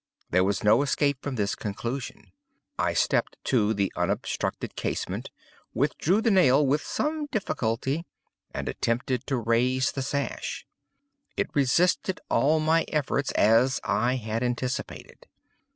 There was no escape from this conclusion. I stepped to the unobstructed casement, withdrew the nail with some difficulty and attempted to raise the sash. It resisted all my efforts, as I had anticipated.